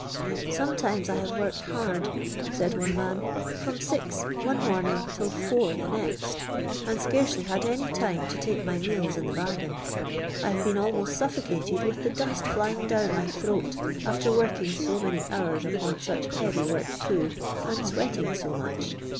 " Sometimes 1 have worked hard," said one man, '' frmi six one morning till four the next, ami scarcely had any time to tike my me als in the lj:irgain. I have lieen alnx^st sutfocated with the du^t Hyinj; down my throat aftr working so many hours upon such heavy work too, and sweating so much.